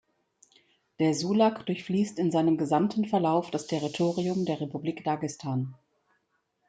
Der Sulak durchfließt in seinem gesamten Verlauf das Territorium der Republik Dagestan.